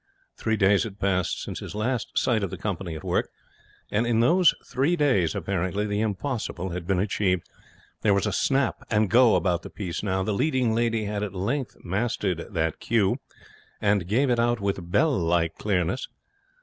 Three days had passed since his last sight of the company at work, and in those three days, apparently, the impossible had been achieved. There was a snap and go about the piece now. The leading lady had at length mastered that cue, and gave it out with bell like clearness.